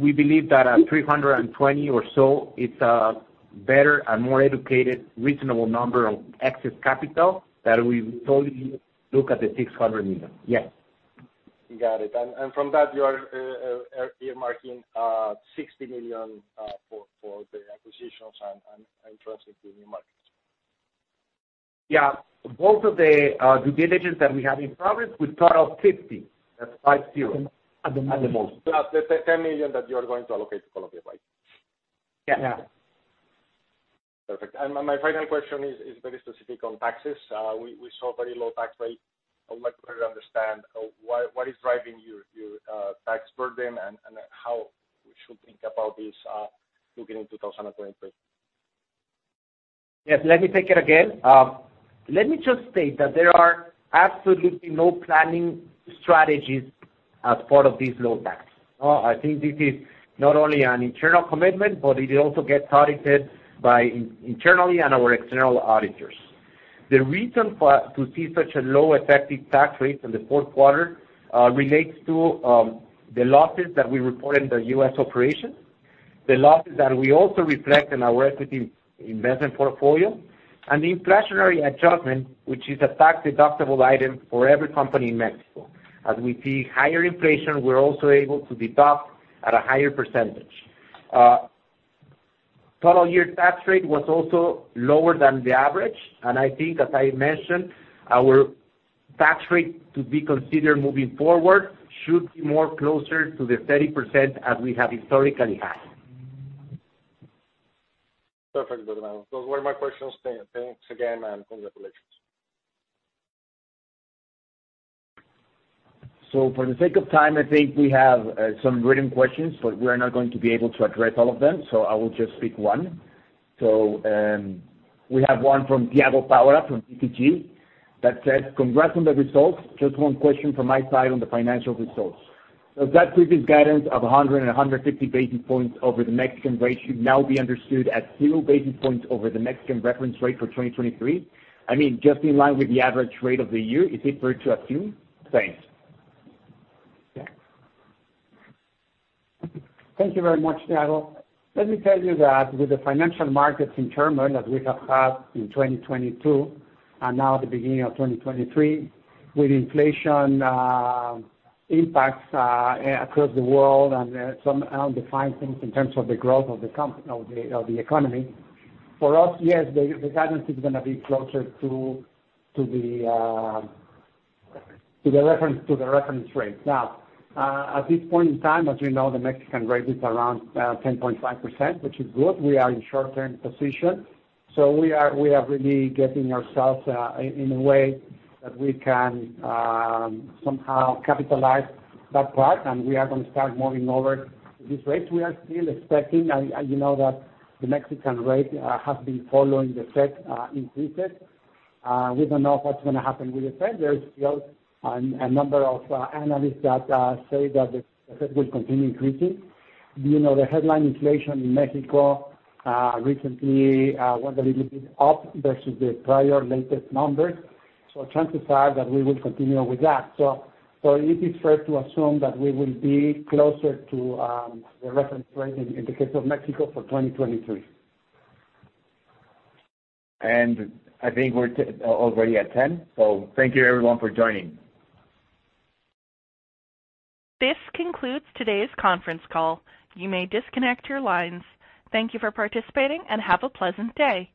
We believe that at 320 or so it's a better and more educated, reasonable number of excess capital that we would totally look at the 600 million. Yes. Got it. From that you are earmarking 60 million for the acquisitions and transit to new markets. Yeah. Both of the due diligence that we have in progress, we total 50, that's 50 at the moment. Plus the 10 million that you are going to allocate to Colombia, right? Yeah. Perfect. My final question is very specific on taxes. We saw very low tax rate. I would like to better understand what is driving your tax burden and how we should think about this looking in 2023? Yes. Let me take it again. Let me just state that there are absolutely no planning strategies as part of this low tax. I think this is not only an internal commitment, but it also gets audited by internally and our external auditors. The reason to see such a low effective tax rate in the fourth quarter relates to the losses that we report in the U.S. operations, the losses that we also reflect in our equity investment portfolio, and the inflationary adjustment, which is a tax-deductible item for every company in Mexico. As we see higher inflation, we're also able to deduct at a higher percentage. Total year tax rate was also lower than the average. I think, as I mentioned, our tax rate to be considered moving forward should be more closer to the 30% as we have historically had. Perfect. Those were my questions. Thanks again, and congratulations. For the sake of time, I think we have some written questions, but we're not going to be able to address all of them, so I will just pick one. We have one from Thiago Paura from BTG that says, "Congrats on the results. Just one question from my side on the financial results. Does that previous guidance of 150 basis points over the Mexican rate should now be understood as zero basis points over the Mexican reference rate for 2023? I mean, just in line with the average rate of the year, is it fair to assume? Thanks. Thank you very much, Thiago. Let me tell you that with the financial markets in turmoil as we have had in 2022, now the beginning of 2023, with inflation, impacts across the world and some undefined things in terms of the growth of the economy, for us, yes, the guidance is gonna be closer to the reference, to the reference rate. At this point in time, as you know, the Mexican rate is around 10.5%, which is good. We are in short-term position. We are really getting ourselves in a way that we can somehow capitalize that part. We are gonna start moving over this rate. We are still expecting, you know that the Mexican rate has been following the Fed increases. We don't know what's gonna happen with the Fed. There is still a number of analysts that say that the Fed will continue increasing. You know, the headline inflation in Mexico recently went a little bit up versus the prior latest numbers. Chances are that we will continue with that. It is fair to assume that we will be closer to the reference rate in the case of Mexico for 2023. I think we're already at 10. Thank you everyone for joining. This concludes today's conference call. You may disconnect your lines. Thank you for participating and have a pleasant day.